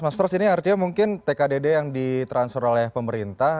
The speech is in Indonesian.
mas frans ini artinya mungkin tkdd yang ditransfer oleh pemerintah